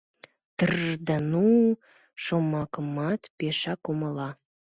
«Тр-р-р» да «ну-у» шомакымат пешак умыла.